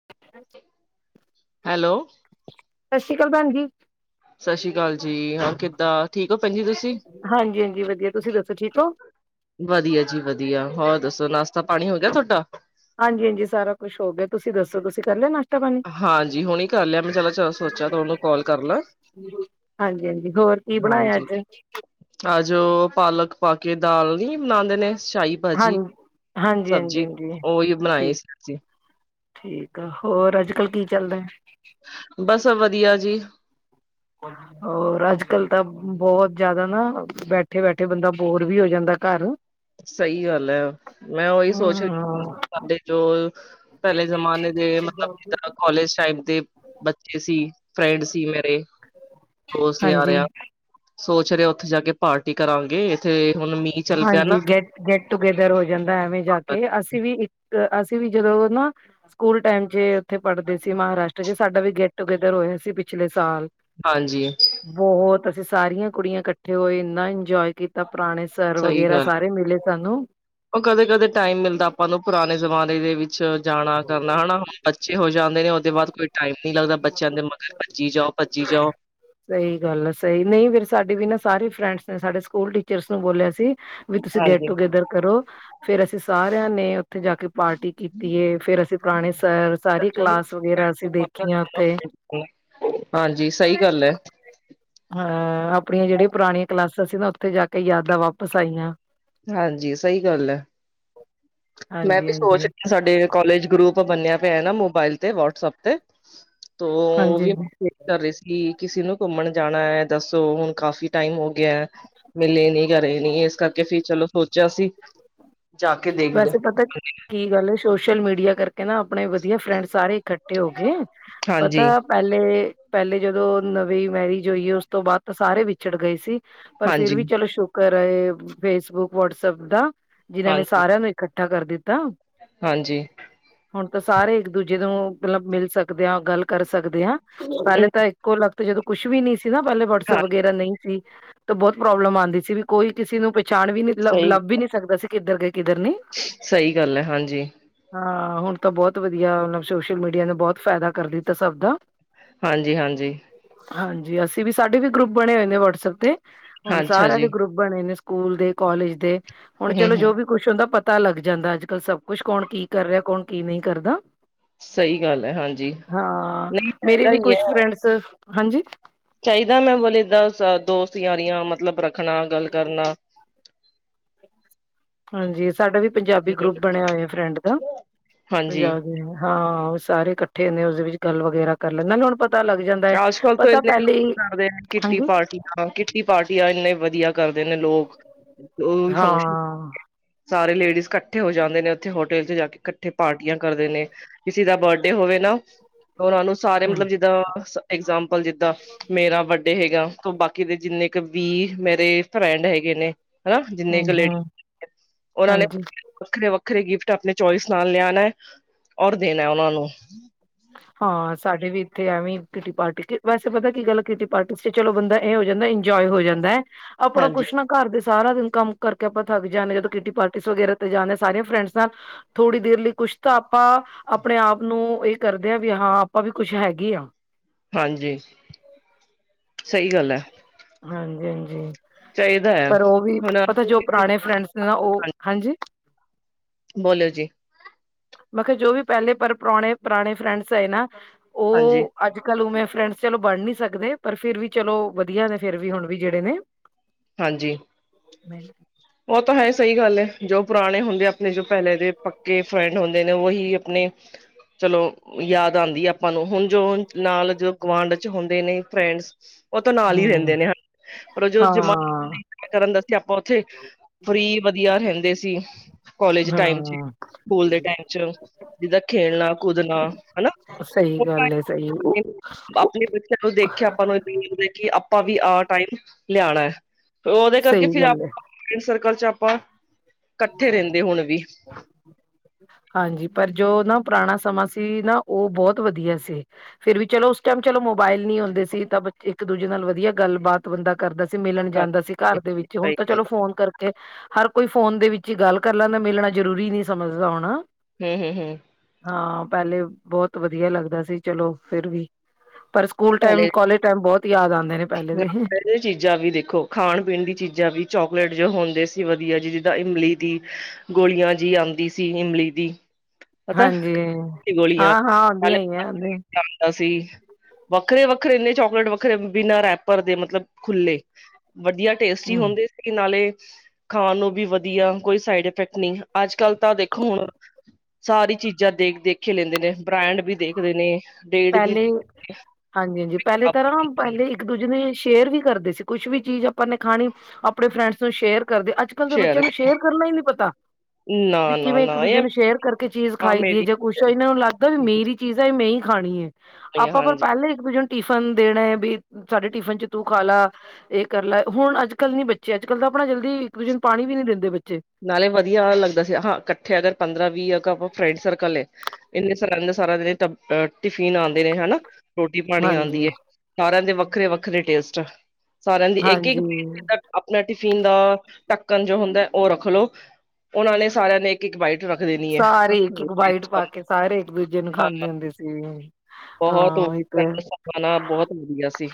[inaudible] Hello. ਸਤਿ ਸ਼੍ਰੀ ਅਕਾਲ ਭੈਣ ਜੀ। ਸਤਿ ਸ੍ਰੀ ਅਕਾਲ ਜੀ, ਹਾਂ ਕਿੱਦਾਂ ਠੀਕ ਹੋ ਭੈਣ ਜੀ ਤੁਸੀਂ। ਹਾਂਜੀ ਹਾਂਜੀ, ਵਧੀਆ। ਤੁਸੀਂ ਦੱਸੋ ਠੀਕ ਓ। ਵਧੀਆ ਜੀ ਵਧੀਆ। ਹੋਰ ਦੱਸੋ ਨਾਸ਼ਤਾ ਪਾਣੀ ਹੋ ਗਿਆ ਤੁਹਾਡਾ। ਹਾਂਜੀ ਹਾਂਜੀ ਸਾਰਾ ਕੁਛ ਹੋ ਗਿਆ, ਤੁਸੀਂ ਦੱਸੋ ਤੁਸੀਂ ਕਰ ਲਿਆ ਨਾਸ਼ ਹਾਂਜੀ ਹੁਣੇ ਕਰ ਲਿਆ, ਮੈਂ ਚਲ ਚਲੋ ਸੋਚਿਆ ਤੁਆਨੂੰ ਕੋਲ ਕਰਲਾਂ। ਹਾਂਜੀ ਹਾਂਜੀ, ਹੋਰ ਕੀ ਬਣਾਇਆ ਅੱਜ? ਅੱਜ ਓ ਪਾਲਕ ਪਾ ਕੇ ਦਾਲ ਨੀਂ ਬਣਾਂਦੇ ਨੇਂ ਸ਼ਾਈ ਭਾਜੀ, ਹਾਂਜੀ ਹਾਂਜੀ ਹਾਂਜੀ ਸਬਜੀ ਹਾਂਜੀ ਓਈ ਬਣਾਈ, ਠੀਕ ਸਬਜ਼ੀ। ਠੀਕ ਆ, ਹੋਰ ਅੱਜ-ਕਲ ਕੀ ਚੱਲਦਾ। ਬਸ ਵਧੀਆ ਜੀ। [inaudible] ਹੋਰ ਅੱਜ-ਕਲ ਤਾਂ ਬੋਤ ਜ਼ਿਆਦਾ ਨਾਂ ਬੈਠੇ-ਬੈਠੇ ਬੰਦਾ ਬੋਰ ਵੀ ਹੋ ਜਾਂਦਾ ਘਰ। ਸਈ ਗੱਲ ਐ, ਮੈਂ ਉਈ ਸੋਚ ਰੀ, ਹਮ ਸਾਡੇ ਜੋ ਪੈਲੇ ਜ਼ਮਾਨੇ ਦੇ ਮਤਲਬ ਜਿੱਦਾਂ ਕਾਲਜ ਟਾਈਮ ਤੇ ਬੱਚੇ ਸੀ, ਫਰੈਂਡ ਸੀ ਮੇਰੇ, ਦੋਸਤ ਯਾਰ ਹਾਂਜੀ ਆ ਸੋਚ ਰੇ ਉੱਥੇ ਜਾ ਕੇ ਪਾਰਟੀ ਕਰਾਂਗੇ, ਇੱਥੇ ਹੁਣ ਮੀਂਹ ਚੱਲ ਪਿਆ ਨਾਂ ਗੇੱਟ ਟੂਗੇਦਰ ਹੋ ਜਾਂਦਾ ਐਵੇਂ ਜਾ ਕੇ, ਅਸੀਂ ਵੀ ਇੱਕ ਅਸੀਂ ਵੀ ਜਦੋਂ ਨਾ ਸਕੂਲ ਟੈਮ ਚ ਓਥੇ ਪੜਦੇ ਸੀ ਮਹਾਰਾਸ਼- ਟਰ ਚ ਸਾਡਾ ਵੀ ਗੈਟ ਟੂਗੇਦਰ ਹੋਏਆ ਸੀ ਪਿਛਲੇ ਸਾਲ। ਹਾਂਜੀ। ਬੋਤ ਅਸੀਂ ਸਾਰੀਆਂ ਕੁੜੀਆਂ ਕੱਠੇ ਹੋਏ ਇੰਨਾ ਇੰਜੋਏ ਕੀਤਾ ਪੁਰਾਨੇ ਸਰ ਵਗੈਰਾ ਸਾਰੇ ਮਿਲੇ ਸਾਨੂੰ। ਓ ਕਦੇ-ਕਦੇ ਟੈਮ ਮਿਲਦਾ ਆਪਾਂ ਨੂੰ ਪੁਰਾਨੇ ਜਮਾਨੇ ਦੇ ਵਿੱਚ ਜਾਨਾ ਕਰਨਾ ਹਨਾ ਬੱਚੇ ਹੋ ਜਾਂਦੇ ਨੇ ਓਦੇ ਬਾਦ ਕੋਈ ਟਾਈਮ ਨੀ ਲੱਗਦਾ ਬੱਚੇਆਂ ਦੇ ਮਗਰ ਭੱਜੀ ਜਾਓ-ਭੱਜੀ ਜਾਓ ਸਈ ਗੱਲ ਆ ਸਈ ਨਈਂ ਫੇਰ ਸਾਡੇ ਵੀ ਨਾ ਸਾਰੇ ਫਰੈਂਡਸ ਨੇ ਸਾਡੇ ਸਕੂਲ ਟੀਚਰਸ ਨੂੰ ਬੋਲੇਆ ਸੀ ਵੀ ਤੁਸੀਂ ਗੈਟ ਹਾਂਜੀ ਟੂਗੇੈਦਰ ਕਰੋ, ਫੇਰ ਅਸੀਂ ਸਾਰੇਆਂ ਨੇ ਓਥੇ ਜਾ ਕੇ ਪਾਰਟੀ ਕੀਤੀ ਏ ਫੇਰ ਅਸੀਂ ਪੁਰਾਨੇ ਸਰ ਸਾਰੀ ਕਲਾਸ ਵਗੈਰਾ ਅਸੀਂ ਦੇਖੀਆਂ ਓਥੇ ਹਾਂਜੀ ਸਈ ਗੱਲ ਐ। ਹਾਂ ਆਪਨੀਆਂ ਜੇੜੀਆਂ ਪੁਰਾਨੀਆਂ ਕਲਾਸਾਂ ਸੀ ਨਾ ਓਥੇ ਜਾ ਕੇ ਯਾਦਾਂ ਵਾਪਸ ਆਈਆਂ। ਹਾਂਜੀ ਸਈ ਗੱਲ ਐ, ਮੈਂ ਹਾਂਜੀ ਵੀ ਸੋਚ ਹਾਂਜੀ ਸਾਡੇ ਕੋਲਜ ਗਰੁੱਪ ਬਨੇਆ ਪੇਆ ਨਾ ਮੋਬਾਇਲ ਤੇ ਵਟਸਐਪ ਤੇ ਤੋ ਓ ਹਾਂਜੀ ਵੀ [unintelligible] ਕਰ ਰਏ ਸੀ ਕਿਸੀ ਨੂੰ ਘੁੰਮਨ ਜਾਨਾ ਐ ਦੱਸੋ ਹੁਨ ਕਾਫ਼ੀ ਟੈਮ ਹੋ ਗੇਆ ਮਿਲੇ ਨੀ ਕਰੇ ਨੀ ਏਸ ਕਰਕੇ ਫਿਰ ਚਲੋ ਸੋਚੇਆ ਸੀ ਜਾ ਕੇ ਦੇਖ ਵੈਸੇ ਪਤਾ ਕੀ ਗੱਲ ਐ ਸੋਸ਼ਲ ਮੀਡੀਆ ਕਰਕੇ ਨਾ ਆਪਣਨੇ ਵਦੀਆ ਫਰੈਂਡ ਸਾਰੇ ਇਕੱਠੇ ਹੋ ਗਏ। ਹਾਂਜੀ। ਪਤਾ ਪੈਲੇ-ਪੈਲੇ ਜਦੋਂ ਨਵੀਂ ਮੈਰਿਜ ਹੋਈ ਏ ਉਸ ਤੋਂ ਬਾਦ ਤਾਂ ਸਾਰੇ ਵਿਛੜ ਗਏ ਸੀ। ਪਰ ਫੇਰ ਹਾਂਜੀ, ਵੀ ਚਲੋ ਸ਼ੁਕਰ ਆਏ ਫੇਸਬੁੱਕ ਵਟਸਐਪ ਦਾ ਜਿਨਾਂ ਨੇ ਹਾਂਜੀ, ਸਾਨੂੰ ਇਕੱਠਾ ਕਰ ਦਿੱਤਾ। ਹਾਂਜੀ। ਹੁਨ ਤਾਂ ਸਾਰੇ ਇੱਕ ਦੂਜੇ ਨੂੰ ਮਤਲਬ ਮਿਲ ਸਕਦੇ ਆਂ ਗੱਲ ਕਰ ਸਕਦੇ ਆਂ। ਪੈਲੇ ਅਹ ਤਾਂ ਇੱਕੋ ਲਗਤ ਜਦੋਂ ਕੁਛ ਵੀ ਨੀ ਸੀ ਨਾ ਪੈਲੇ ਹਾਂ ਵਟਸਅੱਪ ਵਗੈਰਾ ਨਈਂ ਸੀ। ਤਾਂ ਬੋਤ ਪ੍ਰੋਬਲਮ ਆਂਦੀ ਸੀ ਵੀ ਕੋਈ ਕਿਸੀ ਨੂੰ ਪਛਾਨ ਵੀ ਨੀ ਲੱਭ ਵੀ ਨੀ ਸਕਦਾ ਸੀ ਕਿੱਦਰ ਗਏ ਕਿੱਦਰ ਨਈਂ। ਸਈ ਗੱਲ ਐ ਹਾਂਜੀ। ਹਾਂ ਹੁਨ ਤਾਂ ਬੋਤ ਵਦੀਆ ਮਤਲਬ ਸੋਸ਼ਲ ਮੀਡੀਆ ਨੇ ਬੋਤ ਫੈਦਾ ਕਰ ਦਿੱਤਾ ਸਬ ਦਾ। ਹਾਂਜੀ-ਹਾਂਜੀ। ਹਾਂਜੀ ਅਸੀਂ ਵੀ ਸਾਡੇ ਵੀ ਗਰੁੱਪ ਬਨੇ ਹੋਏ ਨੇ ਵਟਸਐਪ ਤੇ, ਹੁਨ ਅੱਛਾ ਸਾਰੇਆਂ ਜੀ ਦੇ ਗਰੁੱਪ ਬਨੇ ਨੇ ਸਕੂਲ ਦੇ ਕੋਲਜ ਦੇ, ਹੁਨ ਹੂੰ, ਚਲੋ ਜੋ ਹੂੰ। ਵੀ ਕੁੱਛ ਹੁੰਦਾ ਪਤਾ ਲੱਗ ਜਾਂਦਾ ਅੱਜ-ਕੱਲ ਸਬ ਕੁੱਛ ਕੌਨ ਕੀ ਕਰ ਰਿਆ ਕੌਨ ਕੀ ਨਈਂ ਕਰਦਾ। ਸਹੀ ਗੱਲ ਹੈ ਹਾਂਜੀ ਹਾਂ ਨਹੀਂ ਮੇਰੇ ਚਾਹੀਦਾ ਵੀ ਕੁਛ ਫਰੈਂਡਸ, ਹਾਂਜੀ। ਚਾਈਦਾ ਮੈਂ ਬੋਲ ਏਦਾਂ ਦੋਸਤੀ ਯਾਰੀਆਂ ਮਤਲਬ ਰੱਖਨਾ ਗੱਲ ਕਰਨਾ ਹਾਂਜੀ ਸਾਡਾ ਵੀ ਪੰਜਾਬੀ ਹੂੰ। ਗਰੁੱਪ ਬਨੇਆ ਹੋਏਆ ਫਰੈਂਡ ਦਾ, ਹਾਂਜੀ ਪੰਜਾਬ ਦੇ ਆਂ। ਹਾਂ ਓ ਸਾਰੇ ਕੱਠੇ ਨੇ ਉਸਦੇ ਵਿੱਚ ਗੱਲ ਵਗੈਰਾ ਕਰ ਲੈਂ ਨਾਲੇ ਹੁਨ ਪਤ ਪਤਾ ਲੱਗ ਜਾਂਦਾ ਐ, ਅੱਜ ਕੱਲ੍ਹ ਪਤਾ ਪੈਲੇ ਈ, ਹਾਂਜੀ। ਹਾਂ ਕਿੱਟੀ ਪਾਰਟੀ ਆ ਏਨੇ ਵਦੀਆ ਕਰਦੇ ਨੇ ਲੋਕ, ਓ ਵੀ ਹਾਂ ਫੰਕਸ਼ਨ ਸਾਰੇ ਲੇਡੀਜ਼ ਕੱਠੇ ਹੋ ਜਾਂਦੇ ਨੇ ਓਥੇ ਹੋਟਲ ਚ ਜਾ ਕੇ ਕੱਠੇ ਪਾਰਟੀਆਂ ਕਰਦੇ ਨੇ। ਕਿਸੇ ਦਾ ਬਰਡੇ ਹੋਵੇ ਨਾ, ਓਨਾਂ ਨੂੰ ਸਾਰੇ ਹੂੰ। ਮਤਲਬ ਜਿੱਦਾਂ ਇੰਗਜਾਮਪਲ ਜਿੱਦਾਂ ਮੇਰਾ ਬਰ ਤੇ ਹੈਗਾ ਬਾਕੀ ਦੇ ਜਿੰਨੇ ਕੁ ਵੀ ਮੇਰੇ ਫਰੈਂਡ ਹੈਗੇ ਨੇ ਹਨਾ ਜਿੰਨੇ ਹੂੰ ਕੁ ਹੂੰ ਲੇਡੀ [unintelligible] ਓਨਾਂ ਨੇ ਹਾਂਜੀ ਵੱਖਰੇ-ਵੱਖਰੇ ਗਿਫਟ ਆਪਨੇ ਚੋਇਸ ਨਾਲ ਲਿਆਨਾ ਔਰ ਦੇਨਾ ਓਨਾਂ ਨੂੰ। ਹਾਂ ਸਾਡੇ ਵੀ ਇਥੇ ਐਵੇਂ ਕਿਟੀ ਪਾਰਟੀ ਵੈਸੇ ਪਤਾ ਕੀ ਗੱਲ ਕਿਟੀ ਪਾਰਟੀ ਚ ਚਲੋ ਬੰਦਾ ਏ ਹੋ ਜਾਂਦਾ ਇੰਨਜੋ ਆਏ ਹੋ ਜਾਂਦਾ, ਆਪਨਾ ਹਾਂਜੀ ਕੁਛ ਨਾ ਘੱਰ ਦੇ ਸਾਰਾ ਦਿਨ ਕੰਮ ਕਾਰਕੇ ਆਪਾਂ ਥੱਕ ਜਾਣੇ, ਜਦੋਂ ਕਿਟੀ ਪਾਰਟੀਸ ਵਗੈਰਾ ਤੇ ਜਾਂਣੇ ਸਾਰੀਆਂ ਫਰੈਂਡਸ ਨਾਲ ਥੋੜੀ ਦੇਰ ਲਈ ਕੁਛ ਤਾਂ ਅਪਾ, ਆਪਣੇ ਆਪ ਨੂੰ ਇੱ ਕਰਦੇ ਆ ਵੀ ਹਾਂ, ਆਪਾ ਵੀ ਕੁੱਛ ਹੈਗੇ ਆ ਹਾਂਜੀ, ਸਈ ਗੱਲ ੲੈ ਹਾਂਜੀ-ਹਾਂਜੀ ਚਾਹੀਦਾ ਹੈ ਪਰ ਓ ਵੀ ਹੁਣ ਪਤਾ ਜੋ ਪਰਾਣੇ ਫਰੈਂਡਸ ਨਾ ਓ, ਹਾਂਜੀ। ਬੋਲੋ ਜੀ ਮੈਂ ਖੇਆ ਜੋ ਵੀ ਪੈਲੇ ਪਰ ਪਰੋਣੇ ਪਰਾਣੇ ਫਰੈਂਡਸ ਹੈਏ ਨਾ ਹਾਂਜੀ। ਅੱਜ-ਕੱਲ ਉਵੇਂ ਫਰੈਂਡਸ ਚਲੋ ਬਣ ਨੀ ਸਕਦੇ, ਪਰ ਫੇਰ ਵੀ ਚਲੋ ਵਧੀਆ ਨੇ ਫੇਰ ਵੀ ਹੁਣ ਵੀ ਜੇੜੇ ਨੇ ਹਾਂਜੀ। ਮੈਲ ਓ ਤਾਂ ਹੈ ਸਹੀ ਗੱਲ ੲੈ ਜੋ ਪੁਰਾਣੇ ਹੁੰਦੇ ਆਪਣੇ ਜੋ ਪੈਹਲੇ ਦੇ ਪੱਕੇ ਫਰੈਂਡ ਹੁੰਦੇ ਨੇ ਉਹੀ ਆਪਣੇ ਚਲੋ ਯਾਦ ਆਦੀ ੲੈ ਆਪਾਂ ਨੂੰ ਹੁਣ ਜੋ ਨਾਲ ਜੋ ਗੁਵਾਢ ਚ ਹੁੰਦੇ ਨੇ ਫਰੈਂਡਸ ਓ ਤੋਂ ਨਾਲ ਈ ਰੈੰਦੇ ਹੂੰ ਨੇ ਹ, ਪਰ ਓ ਜੋ ਜਮਾ ਹਾਂ ਕਰਨ ਦਾ ਵਾਸਤੇ ਆਪਾਂ ਓਥੇ ਫ੍ਰਰੀ ਵਧੀਆ ਰੈਹਦੇ ਸੀ ਕੋਲਜ ਟਾਈਮ ਚ ਹਾਂ ਸਕੂਲ ਦੇ ਟਾਈਮ ਚ, ਜਿੱਦਾਂ ਖੇਲਣਾ-ਕੁਦਣਾ ਹਨਾ ਸਹੀ ਗੱਲ ਹੈ ਸਹੀ [unintelligible] ਆਪਣੇ ਬੱਚਿਆਂ ਨੂੰ ਦੇਖ ਕੇ, ਆਪਾਂ ਨੂੰ [unintelligible] ਹੁੰਦਾ ਕਿ ਆਪਾਂ ਵੀ ਆ ਟਾਈਮ ਲਆਣਾ ਓਦੇ ਕਰਕੇ ਸਹੀ ਫਿਰ ਗੱਲ ਹੈ ਆਪ [unintelligible] ਸਰਕਲ ਚ ਆਪਾਂ, ਕੱਠੇ ਰੈੰਦੇ ਹੁਣ ਵੀ [inaudible] ਹਾਂਜੀ, ਪਰ ਜੋ ਨਾ ਪਰਾਣਾ ਸਮਾਂ ਸੀ, ਨਾ ਓ ਬੋਤ ਵਧੀਆ ਸੀ। ਫਿਰ ਵੀ ਚਲੋ, ਉਸ ਟਾਈਮ ਚਲੋ ਮੋਬਾਇਲ ਨੀ ਹੁਦੇ ਸੀ ਤਾਂ ਬੱਚੇ ਇੱਕ-ਦੂਜੇ ਨਾਲ ਵਧੀਆ ਗੱਲਬਾਤ ਬੰਦਾ ਕਰਦਾ ਸੀ, ਮਿਲਣ ਜਾਂਦਾ ਸੀ ਘੱਰ ਦੇ ਵਿੱਚ ਹੁਣ ਸਹੀ ਤਾਂ ਗੱਲ ਚਲੋ ਹੈ। ਫੋਨ ਕਰ ਕੇ, ਹਰ ਕੋਈ ਫੋਨ ਦੇ ਵਿੱਚ ਈ ਗੱਲ ਕੱਰ ਲੈਂਦਾ ਮਿਲਣਾ ਜਰੂਰੀ ਨੀ ਸਮਝਦਾ ਹੋਣ ਹਮ, ਹਮ, ਹਮ ਹਾਂ ਪੈਲੇ ਬੋਤ ਵਧੀਆ ਲੱਗਦਾ ਸੀ, ਚਲੋ ਫਿਰ ਵੀ, ਪਰ ਸ ਕੂਲ ਟੈਮ, ਪਹਿਲੇ ਕੋਲਜ ਟੈਮ ਬੋਤ ਯਾਦ ਆਦੇ ਨੇ ਪੈਲੇ ਦੇ ਏ ਚੀਜ਼ਾਂ ਵੀ ਦੇਖੋ, ਖਾਣ-ਪੀਣ ਦੀ ਚੀਜ਼ਾਂ ਵੀ, ਚੋਕਲੇਟ ਜੋ ਹੁੰਦੇ ਸੀ ਵਧੀਆ ਜੀ, ਜਦਾਂ ਇਮਲੀ ਦੀ ਗੋਲੀਆ ਜੀ ਆਦੀ ਸੀ ਇਮਲੀ ਦੀ ਪਤਾ ਹਾਂਜੀ ਗੋਲੀਆ ਹਾਂ ਹਾਂ ਆਉਂਦੀਆਂ ਨਾਲੇ ਹੀ ਆ ਆਉਂਦੇ [unintelligible] ਸੀ ਵੱਖਰੇ-ਵੱਖਰੇ ਏਨੇ ਚੋਕਲੇਟ, ਵੱਖਰੇ ਬਿਨਾਂ ਰੈਪਰ ਦੇ ਮਤਲਬ ਖੁੱਲੇ, ਵਧੀਆ ਟੇਸਟੀ ਹਮ ਹੁੰਦੇ ਨਾਲੇ ਖਾਣ ਨੂੰ ਵੀ ਵਧੀਆ, ਕੋਈ ਸਾਈਡ ਇਫੈਕਟ ਨੀ, ਅੱਜ-ਕੱਲ ਤਾਂ ਦੇਖੋ ਹੁਣ ਸਾਰੀਆ ਚੀਜ਼ਾਂ ਦੇਖ-ਦੇਖੇ ਲੇਂਦੇ ਨੇ, ਬ੍ਰਾਂਡ ਵੀ ਦੇਖਦੇ ਨੇ, ਡੇਢ ਵੀ ਹਾਂਜੀ-ਹਾਂਜੀ, ਪੈਲੇ ਤਾਂ ਨਾ ਪਹਲੇ ਇੱਕ-ਦੂਜੇ ਨੇ ਸ਼ੇਅਰ ਵੀ ਕਰਦੇ ਸੀ ਕੁਛ ਵੀ ਚੀਜ਼ ਆਪਾਂ ਨੇ ਖਾਣੀ, ਆਪਣੇ ਫਰੈਂਡਸ ਸ਼ੇਅਰ ਕਰਦੇ, ਅੱਜ ਕੱਲ ਦੇ ਬੱਚੇਆ ਨੂੰ ਸ਼ੇਅਰ ਕਰਨ ਦਾ ਈ ਨੀ ਪਤਾ ਨਾ ਵੀ ਨਾ ਕਿਵੇਂ ਨਾ ਇੱਕ-ਦੂਜੇ ਇਹ ਨੂੰ ਸ਼ੇਅਰ ਕਰਕੇ ਚੀਜ਼ ਹਾਂ ਖਾਈ ਦੀ ਏ ਮੇਰੀ ਜਾਂ ਕੁਛ ਏਨਾਂ ਨੂੰ ਲੱਗਦਾ ਵੀ ਮੇਰੀ ਚੀਜ਼ਾਂ ਮੈਂ ਈ ਖਾਣੀ ਏ, ਆਪਾ ਪਰ ਹਾਂਜੀ ਪੈਹਲੇ ਇੱਕ-ਦੂਜੇ ਟਿਫਨ ਦੇਣਾ ਬੀ, ਸਾਡੇ ਟਿਫਨ ਚ ਤੂੰ ਖਾ ਲਾ ਏ ਕਰ ਲੈ, ਹੁਣ ਅੱਜ-ਕੱਲ ਨੀ ਬੱਚੇ ਅੱਜ-ਕੱਲ ਤਾਂ ਆਪਣਾ ਜਲਦੀ ਇੱਕ-ਦੂਜੇ ਨੂੰ ਪਾਣੀ ਵੀ ਨੀ ਦਿੰਦੇ ਬੱਚੇ ਨਾਲੇ ਵਧੀਆ ਲੱਗਦਾ ਸੀ, ਆਹਾ ਕੱਠੇ ਅਗਰ ਪੰਦਰਾਂ-ਵੀ ਅਗਾਂ ਫਰੈਂਡ ਸਰਕਲ ਏ ਏਨੇ ਸਾਰਾ, ਏਨੇ ਸਾਰਾ [unintelligible] ਟਿਫਿਨ ਆਦੇ ਨੇ ਹਨਾ। ਰੋਟੀ ਪਾਣੀ ਆਂਦੀ ਹਾਂਜੀ ਏ। ਸਾਰਿਆਂ ਦੇ ਵੱਖਰੇ- ਵੱਖਰੇ ਟੇਸਟ, ਸਾਰਿਆਂ ਦੀ ਇੱਕ- ਇੱਕ ਹਾਂਜੀ ਪ [unintelligible] ਆਪਣਾ ਟਿਫਿਨ ਦਾ ਢੱਕਣ ਜੋ ਹੁੰਦਾ ਉਹ ਰੱਖ ਲਓ। ਉਹਨਾਂ ਨੇ ਸਾਰਿਆਂ ਨੇ ਇੱਕ- ਇੱਕ ਬਾਈਟ, ਰੱਖ ਦੇਣੀ ਐ। ਸਾਰੇ ਇੱਕ- ਇੱਕ ਬਾਈਟ ਪਾ ਕੇ, ਸਾਰੇ ਇੱਕ- ਦੂਜੇ ਨੂੰ ਖਾਂਦੇ ਹੁੰਦੇ ਸੀ। ਬਹੁਤ ਹਾਂ ਉਹੀ ਤੇ ਵਧੀਆ ਸਪਨਾ ਬਹੁਤ ਵਧੀਆ ਸੀ।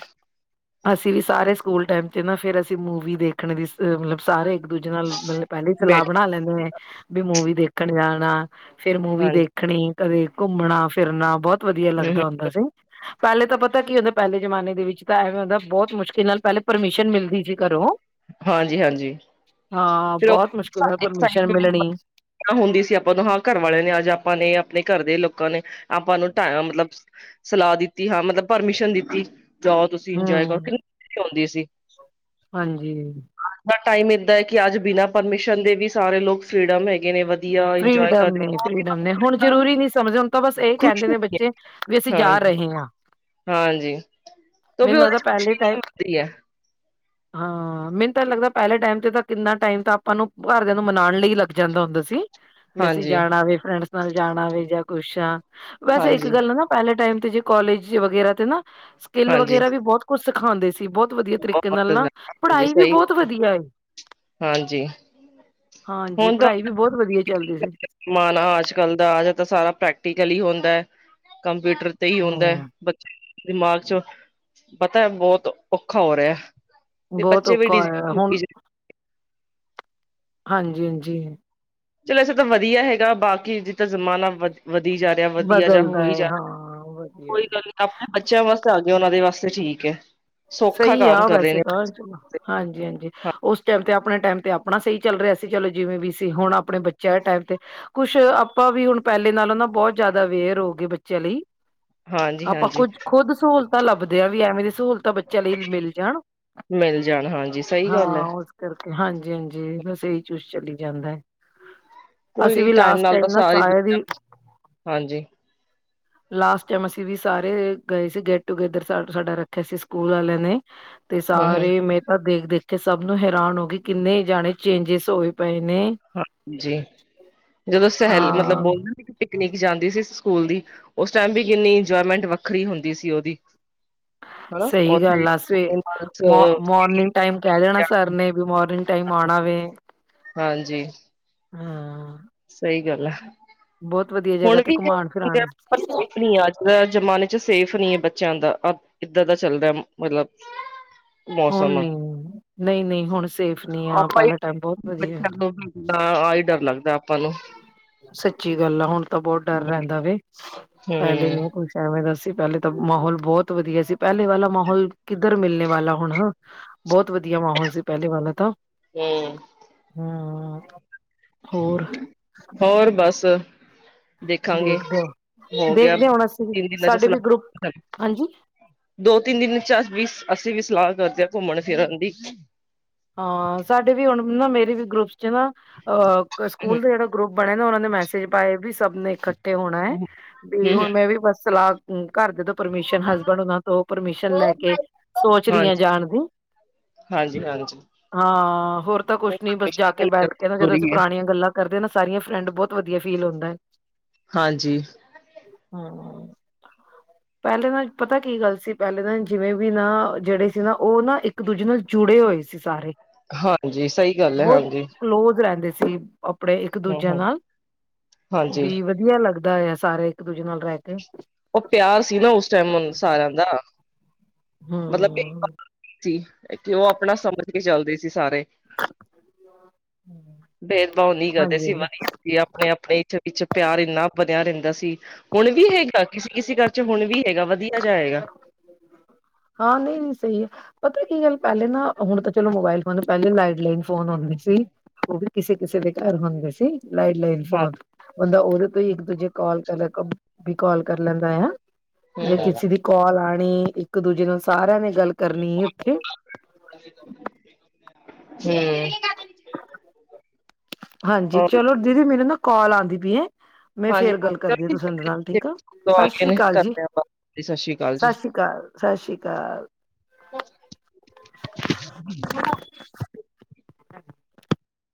ਅਸੀਂ ਵੀ ਸਾਰੇ ਸਕੂਲ ਟਾਈਮ ਤੇ ਨਾ, ਫਿਰ ਅਸੀਂ ਮੂਵੀ ਦੇਖਣ ਦੀ ਮਤਲਬ ਸਾਰੇ। ਇੱਕ -ਦੂਜੇ ਨਾਲ ਮਤਲਬ ਪਹਿਲੇ ਹੀ ਸਲਾਹ ਬੈਠ ਬਣਾ ਲੈਂਦੇ, ਕਿ ਮੂਵੀ ਦੇਖਣ ਜਾਣਾ, ਫਿਰ ਮੂਵੀ ਦੇਖ। ਹਾਂਜੀ ਦੇਖਨੀ ਕਦੇ ਘੁੰਮਣਾ ਫਿਰਨਾ ਬਹੁਤ ਵਧੀਆ ਹੂੰ-ਹੂੰ, ਲੱਗਦਾ ਹੁੰਦਾ ਸੀ। ਪਹਿਲੇ ਤਾਂ ਪਤਾ ਕੀ ਹੁੰਦਾ, ਪਹਿਲੇ ਜਮਾਨੇ ਦੇ ਵਿੱਚ ਐਹ ਗੱਲ ਦਾ ਬਹੁਤ ਮੁਸ਼ਕਿਲ ਨਾਲ ਪਹਿਲੇ ਪਰਮਿਸ਼ਨ ਮਿਲਦੀ ਸੀ ਘਰੋਂ। ਹਾਂਜੀ-ਹਾਂਜੀ ਹਾਂ ਫਿਰ ਉਹ ਬਹੁਤ ਮੁਸ਼ਕਲ ਨਾਲ ਪਰਮਿਸ਼ਨ ਐਕਸਾਈਟਮੈਂਟ ਮਿਲਣੀ। ਹੁੰਦੀ ਸੀ। ਆਪਾਂ ਨੂੰ ਹਾਂ ਘਰ ਵਾਲਿਆਂ ਨੇ ਅੱਜ ਆਪਾਂ ਨੇ ਆਪਣੇ ਘਰ ਦੇ ਲੋਕਾਂ ਨੇ, ਆਪਾਂ ਨੂੰ ਟਾਈਮ ਮਤਲਬਸ, ਸਲਾਹ ਦਿੱਤੀ, ਹਾਂ ਮਤਲਬ ਪਰਮਿਸ਼ਨ ਦਿੱਤੀ। ਜਾਓ ਤੁਸੀਂ ਇੰਜੋਏ ਕਰੋ। ਹਮ ਕਿੰਨੀ ਖੁਸ਼ੀ ਹੁੰਦੀ ਸੀ। ਹਾਂਜੀ। ਅੱਜ ਦਾ ਟਾਈਮ ਐਦਾਂ, ਕਿ ਅੱਜ ਬਿਨਾਂ ਪਰਮਿਸ਼ਨ ਦੇ ਵੀ ਸਾਰੇ ਲੋਕ ਫ੍ਰੀਡਮ ਏ ਇਹ ਨੇ ਵਧੀਆ। ਇੰਜੋਏ ਫਰੀਡਮ ਕਰਦੇ ਨੇ, ਫਰੀਡਮ ਨੇ ਹੁਣ ਜ਼ਰੂਰੀ ਨਹੀ ਸਮਝਦੇ ਹੁਣ ਤਾਂ ਬਸ ਇਹ ਖੁਸ਼ ਕਹਿੰਦੇ ਨੇ ਬੱਚੇ। ਵੇ ਅਸੀਂ ਜਾ ਰਹੇ ਹਾਂ। ਹਾਂਜੀ, ਤੋਂ ਵੀ ਮੈਨੂੰ ਉਹਦੇ ਲੱਗਦਾ 'ਚ ਪਹਿਲੇ ਖੁਸ਼ੀ ਨਹੀਂ ਟਾਈਮ ਹੁੰਦੀ ਹੈ। ਹਾਂ ਮੈਨੂੰ ਤਾਂ ਲੱਗਦਾ, ਪਹਿਲੇ ਟਾਈਮ ਤੇ ਤਾਂ ਕਿੰਨਾ ਟੈਮ ਤਾਂ ਆਪਾਂ ਨੂੰ ਘਰਦਿਆਂ ਨੂੰ ਮਨਾਉਣ ਲਈ ਲੱਗ ਜਾਂਦਾ ਹੁੰਦਾ ਸੀ। ਵੈਸੇ ਹਾਂਜੀ ਜਾਣਾ ਵੇ, ਫਰੈਂਡਸ ਨਾਲ ਜਾਣਾ ਵੇ ਜਾਂ ਕੁਛ ਹਾਂ, ਵੈਸੇ ਇੱਕ ਹਾਂਜੀ ਗੱਲ ਨਾ। ਪਹਿਲੇ ਟੈਮ ਤੇ ਜੇ ਕੋਲਜ ਵਗੈਰਾ ਤੇ ਨਾ, ਸਕਿਲ ਹਾਂਜੀ ਵਗੈਰਾ ਵੀ ਬਹੁਤ ਕੁਛ ਸਿਖਾਂਦੇ ਸੀ। ਬਹੁਤ, ਵਧੀਆ ਤਰੀਕੇ ਬਹੁਤ ਨਾਲ ਨਾ, ਹਾਂਜੀ ਪੜਾਈ ਵੀ ਸਹੀ ਬਹੁਤ ਵਧੀਆ ਏ। ਹਾਂਜੀ ਹਾਂਜੀ, ਪੜਾਈ ਵੀ ਬਹੁਤ ਵਧੀਆ ਚੱਲਦੀ ਸੀ। ਮਾਣਾ ਅੱਜ-ਕੱਲ ਦਾ ਆ ਜਾਂ ਸਾਰਾ ਪ੍ਰੈਕਟੀਕਲ ਹੀ ਹੁੰਦਾ ਏ ਕੰਪਿਊਟਰ ਤੇ ਹੀ ਹੁੰਦਾ ਏ, ਹਾਂ ਬੱ, ਦਿਮਾਗ 'ਚ, ਪਤਾ ਬਹੁਤ ਔਖਾ ਹੋ ਰਿਹਾ। ਤੇ ਬਹੁਤ ਬੱਚੇ ਵੀ ਔਖਾ ਡਿ ਹੋਇਆ ਹੁਣ [unintelligible] ਹਾਂਜੀ-ਹਾਂਜੀ। ਚਲੋ ਐਸੇ ਤਾਂ ਵਧੀਆ ਹੈਗਾ, ਬਾਕੀ ਜਿੱਦਾਂ ਜ਼ਮਾਨਾ ਵ ਵਧੀ ਜਾਏ। ਵਧੀਆ ਜਾਂ ਬਦਲਦਾ ਹੋਈ ਹੈ ਜਾਏ, ਹਾਂ ਵਧੀਆ ਕੋਈ ਗੱਲ ਨੀ, ਆਪਣੇ ਬੱਚਿਆਂ ਵਾਸਤੇ ਆਗੇ ਉਹਨਾਂ ਦੇ ਵਾਸਤੇ ਠੀਕ ਹੈ। ਸੌਖਾ ਸਹੀ ਹੈ ਕੰਮ ਕਰ ਰਹੇ ਵੈਸੇ ਨੇ ਤਾਂ ਚਲੋ, ਬੱਚੇ। ਹਾਂਜੀ-ਹਾਂਜੀ ਹਾਂ ਉਸ ਟਾਈਮ ਤੇ ਆਪਣੇ ਟਾਈਮ ਤੇ ਆਪਣਾ ਸਹੀ। ਚੱਲ ਰਿਹਾ ਸੀ। ਚਲੋ ਜਿਵੇਂ ਵੀ ਸੀ। ਹੁਣ ਆਪਣੇ ਬੱਚਿਆਂ ਟੈਮ ਤੇ, ਕੁਛ ਆਪਾਂ ਵੀ ਹੁਣ ਪਹਿਲੇ ਨਾਲੋਂ ਬਹੁਤ ਜ਼ਿਆਦਾ ਅਵੇਅਰ ਹੋ ਗਏ। ਬੱਚਿਆਂ ਲਈ, ਹਾਂਜੀ ਆਪਾਂ ਹਾਂਜੀ ਕੁੱਛ ਖੁਦ ਸਹੂਲਤਾਂ ਲੱਭਦੇ ਆ, ਵੀ ਐਵੇਂ ਦੀ ਸਹੂਲਤਾਂ ਬੱਚ। ਵੀ ਮਿਲ ਜਾਣ, ਮਿਲ ਜਾਣ ਹਾਂਜੀ ਸਹੀ ਹਾਂ ਗੱਲ ਹੈ ਉਹ ਇਸ ਕਰਕੇ, ਹਾਂਜੀ-ਹਾਂਜੀ ਬਸ ਇਹੀ ਚੂਜ ਚਲੀ ਜਾਂਦਾ ਕੋਈ ਅਸੀਂ ਨੀ ਵੀ ਲਾਸਟ ਨਾਲ ਤਾਂ ਟਾਈਮ ਨਾ ਸਾਰੀ ਸਾਇ ਦੀ। ਹਾਂਜੀ ਲਾਸਟ ਟਾਈਮ ਅਸੀਂ ਵੀ ਸਾਰੇ ਗਏ ਸੀ, ਗੈਟ ਟੂਗੇੈਦਰ ਸ ਸਾਡਾ ਰੱਖਿਆ ਸੀ। ਸਕੂਲ ਵਾਲੇ ਨੇ, ਤੇ ਹੂੰ ਹੂੰ ਸਾਰੇ ਮੇਰੇ ਵੱਲ ਦੇਖ-ਦੇਖ। ਕਿ ਸਭ ਨੂੰ ਹੈਰਾਨ ਹੋ ਗਏ। ਕਿੰਨੇ ਜਾਣੇ ਚੇਂਜਿਸ ਹੋਏ ਪਏ ਨੇ। ਹਾਂਜੀ, ਜਦੋਂ ਸੇਹਲ ਮਤਲਬ ਹਾਂ ਬੋਲ ਪਿਕਨਿਕ ਜਾਂਦੀ ਸੀ ਸਕੂਲ ਦੀ, ਉਸ ਟਾਈਮ ਵੀ ਕਿੰਨੀ ਇੰਜੋਏਮੈਂਟ ਵੱਖਰੀ ਹੁੰਦੀ ਸੀ ਉਹਦੀ। [inaudible] ਸਹੀ ਉੱਥੇ ਗੱਲ ਆ ਸਵੇ, ਮੋ, ਮੋਰਨਿੰਗ ਟਾਈਮ ਕਹਿ ਦੇਣਾ ਸਰ ਨੇ ਕਿ ਮੋਰਨਿੰਗ ਟਾਈਮ ਆਣਾ ਵੇ। ਹਾਂਜੀ। ਹਾਂ। ਸਈ ਗੱਲ ਐ। ਬੋਤ ਵਧੀਆ ਜਗਾ 'ਤੇ ਘੁੰਮਾਣ ਫਿਰਾਨ। ਪਰ ਸੇਫ ਨੀ ਐ ਅੱਜ ਦਾ ਜਮਾਨੇ 'ਚ ਸੇਫ ਨੀ ਐ ਬੱਚਿਆਂ ਦਾ ਅ ਐਦਾਂ ਦਾ ਚੱਲਦੈ ਮਤਲਬ ਹੁਣ ਮੌਸਮ। ਨੀ ਨਹੀਂ ਨਹੀਂ ਹੁਣ ਸੇਫ ਨੀ ਆ ਆਪਾਂ ਈ, ਪਹਿਲਾ ਟਾਈਮ ਬਹੁਤ ਵਧੀਆ ਆਈ ਡਰ ਲੱਗਦੈ ਆਪਾਂ ਨੂੰ। ਸੱਚੀ ਗੱਲ ਆ ਹੁਣ ਤਾਂ ਬੋ ਡਰ ਰੈਂਦਾ ਵੇ, ਪੈਲੇ ਹੂੰ ਨੀ ਕੁਛ ਐਂਵੇਂ ਦਾ ਸੀ ਪੈਲੇ ਤਾਂ ਮਹੌਲ ਬੋਤ ਵਧੀਆ ਸੀ, ਪੈਲੇ ਵਾਲਾ ਮਹੌਲ ਕਿੱਧਰ ਮਿਲਨੇ ਵਾਲਾ ਹੁਣ, ਬੋਤ ਵਧੀਆ ਮਹੌਲ ਸੀ ਪੈਲੇ ਵਾਲਾ ਤਾਂ। ਹੂੰ। ਹੂੰ, ਹੋਰ? ਹੋਰ ਬੱਸ। ਦੇਖਾਂਗੇ, ਦੇਖਦੇ ਹੋ ਹੋ ਗਿਆ ਦੇਖਦੇ ਹੁਣ ਅਸੀਂ ਵੀ ਤਿੰਨ ਦਿਨਾਂ 'ਚ ਸਾਡੇ ਸਲਾ ਵੀ ਗਰੁੱਪ ਹਾਂਜੀ ਦੋ-ਤਿੰਨ ਦਿਨ ਚਾ ਅਸ ਵੀ ਅਸੀਂ ਵੀ ਸਲਾਅ ਕਰਦੇ ਆ ਘੁੰਮਣ ਫਿਰਨ ਦੀ। ਹਾਂ ਸਾਡੇ ਵੀ ਹੁਣ ਨਾ ਮੇਰੀ ਵੀ ਗਰੁੱਪ 'ਚ ਨਾ ਅ ਕ ਹੂੰ ਸਕੂਲ ਦਾ ਜੇੜਾ ਗਰੁੱਪ ਬਣਿਆ ਦਾ ਹੁਣ ਉਨਾਂ ਨੇ ਮੈਸੇਜ ਪਾਏ ਵੀ ਸਭ ਨੇ ਇਕੱਠੇ ਹੋਣਾ ਐ ਵੀ ਹੂੰ ਹੁਣ ਮੈਂ ਵੀ ਬਸ ਸਲਾਅ ਘਰ ਦੇ ਤੋਂ ਪਰਮਿਸ਼ਨ ਹਸਬੈਂਡ ਉਨਾਂ ਤੋਂ ਪਰਮਿਸ਼ਨ ਲੈ ਕੇ ਸੋਚ ਰੀ ਆ ਜਾਣ ਦੀ। ਹਾਂਜੀ-ਹਾਂਜੀ। ਹਾਂ ਹੋਰ ਤਾਂ ਕੁਛ ਨੀ ਬਸ ਜਾ ਕੇ, ਬੈਠ ਕੇ ਨਾ ਜਦੋਂ ਜ਼ਰੂਰੀ ਅਸੀ ਹੈ ਪੁਰਾਣੀਆਂ ਗੱਲਾਂ ਕਰਦੇ ਨਾ ਸਾਰੀਆਂ ਫਰੈਂਡ ਬੋਤ ਵਧੀਆ ਫੀਲ ਹੁੰਦੈ। ਹਾਂਜੀ। ਹਾਂ। [inaudible] ਪੈਲੇ ਨਾਲ ਪਤਾ ਕੀ ਗੱਲ ਸੀ, ਪੈਲੇ ਦਾ ਜਿਵੇਂ ਵੀ ਨਾ ਜੇੜੇ ਸੀ ਨਾ ਓ ਨਾ ਇੱਕ-ਦੂਜੇ ਨਾਲ ਜੁੜੇ ਹੋਏ ਸੀ ਸਾਰੇ, ਹਾਂਜੀ ਸਹੀ ਗੱਲ ਹੈ ਬੋਤ ਹਾਂਜੀ ਕਲੋਜ਼ ਰੈਂਦੇ ਸੀ। ਆਪਣੇ ਹੂੰ ਇੱਕ-ਦੂਜੇ ਹੂੰ ਨਾਲ, ਹਾਂਜੀ ਬੀ ਵ ਧੀਆ ਲੱਗਦਾ ਆ ਸਾਰੇ ਇੱਕ-ਦੂਜੇ ਨਾਲ ਰੈ ਕੇ। ਓ ਪਿਆਰ ਸੀ ਨਾ ਉਸ ਟਾਈਮ ਉਨ ਸਾਰਿਆਂ ਦਾ। ਮਤਲਬ ਹੂੰ। ਸੀ ਕਿ ਓ ਆਪਣਾ ਸਮਝ ਕੇ ਚੱਲਦੇ ਸੀ ਸਾਰੇ। ਭੇਦ ਭਾਓ ਨੀ ਕਰਦੇ ਸੀ। ਹਾਂਜੀ। ਵੀ ਆਪਣੇ-ਆਪਣੇ ਇਚ ਵਿੱਚ ਪਿਆਰ ਏਨਾ ਵਧੇਆ ਰੈਂਦਾ ਸੀ। ਹੁਣ ਵੀ ਹੈਗਾ ਕਿਸੀ-ਕਿਸੀ ਘਰ 'ਚ ਹੁਣ ਵੀ ਹੈਗਾ ਵਧੀਆ ਜਾਏਗਾ। ਹਾਂ ਨਈ-ਨਈ ਸਈ ਏ ਪਤਾ ਕੀ ਗੱਲ ਪੈਲੇ ਨਾ ਹੁਣ ਤਾ ਚਲੋ ਮੋਬਾਇਲ ਫੋਨ ਪੈਲੇ ਲਾਈਡ ਲਈਨ ਫੋਨ ਹੁੰਦੇ ਸੀ ਓ ਵੀ ਕਿਸੇ-ਕਿਸੇ ਦੇ ਘਰ ਹੁੰਦੇ ਸੀ ਲਾਈਡ ਲਾਈਨ ਹਾਂ ਫੋਨ। ਬੰਦਾ ਉਦੇ ਤੋਂ ਈ ਇੱਕ-ਦੂਜੇ ਕਾਲ ਕਰ ਲੇ ਵੀ ਕਾਲ ਕਰ ਲੈਂਦਾ ਹਨਾ, ਜੇ ਹੂੰ ਹੂੰ ਕਿਸੀ ਦੀ ਕਾਲ ਆਣੀ ਇਕ-ਦੂਜੇ ਨਾਲ ਸਾਰੇ ਆ ਨੇ ਗੱਲ ਕਰਨੀ ਉਥੇ। ਹੂੰ। ਹਾਂਜੀ ਚਲੋ ਦੀਦੀ ਮੇਰੀ ਨਾ ਕਾਲ ਆਂਦੀ ਪਈ ਏ ਮੈਂ ਹਾਂਜੀ ਫੇਰ ਹਾਂਜੀ ਗੱਲ ਚਲੋ ਕਰਦੀ ਆ ਤੁਸਾ ਡੇ ਨਾਲ ਹੈ, ਠੀਕ ਆ, ਸਾ ਗਏ ਸ਼੍ਰੀ ਨੇ, ਕਾਲ ਜੀ। ਕਰਦੇ ਆ ਬਾਅਦ, ਸਤਿ ਸ਼੍ਰੀ ਅਕਾਲ ਸ ਜੀ ਸ਼੍ਰੀ ਕਾਲ, ਸ ਸ਼੍ਰੀ ਕਾਲ। [inaudible] [inaudible]